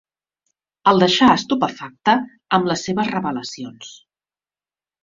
El deixà estupefacte amb les seves revlelacions.